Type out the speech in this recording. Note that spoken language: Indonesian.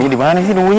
ini dimana sih nunggunya